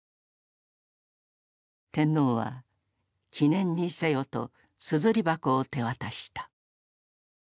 天皇は「記念にせよ」と硯箱を手渡した。